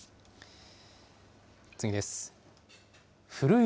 次です。